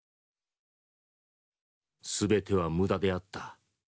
「全ては無駄であった。